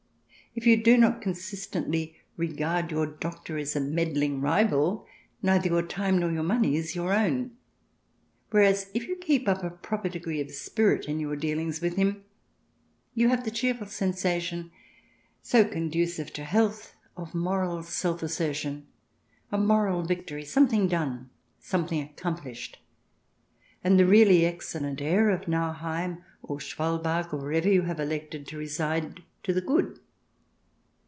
If you do not consistently regard your doctor as a meddling rival, neither your time nor your money is your own. Whereas, if you keep up a proper degree of spirit in your dealings with him, you have the cheerful sensation, so con ducive to health, of moral self assertion, a moral victory, something done, something accomphshed, and the really excellent air of Nauheim, or Schwal bach, or wherever you have elected to reside, to the good.